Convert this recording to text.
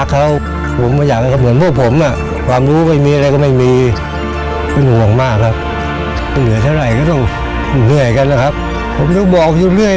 คำถามสำหรับเรื่องนี้ก็คือ